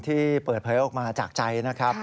ที่เปิดเผยออกมาจากใจนะครับ